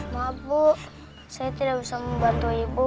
mabuk saya tidak bisa membantu ibu